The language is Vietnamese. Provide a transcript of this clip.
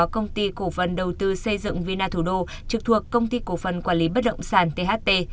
công ty cổ phần đầu tư xây dựng vina thủ đô trực thuộc công ty cổ phần quản lý bất động sản tht